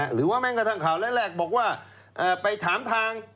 หรือว่าแม้กระทั่งข่าวแรกบอกว่าไปถามทาง